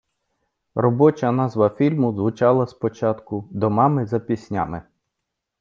Робоча назва фільму звучала спочатку "До мами за піснями".